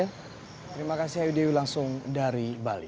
terima kasih ayu dewi langsung dari bali